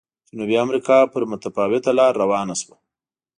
جنوبي امریکا پر متفاوته لار روانه شوه.